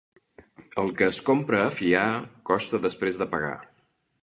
El que es compra a fiar costa després de pagar.